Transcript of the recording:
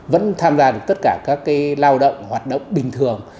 vẫn tham gia được tất cả các lao động hoạt động bình thường